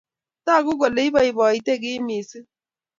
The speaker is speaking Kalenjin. Tagu kole ipoipoiti key missing'